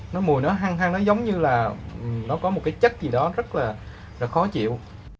nó mùi nó hăng hăng nó giống như là nó có một cái chất gì đó rất là khó chịu